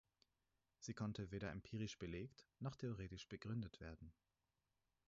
Sie konnte weder empirisch belegt noch theoretisch begründet werden.